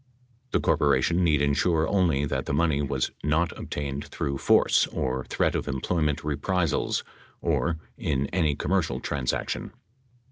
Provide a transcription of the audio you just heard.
The corporation need insure only that the money was not obtained through force or threat of employment reprisals, or "in any commercial trans action."